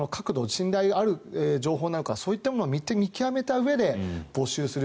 信頼ある情報なのかそういったものを見極めたうえで募集する。